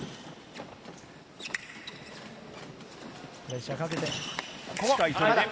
プレッシャーをかけて。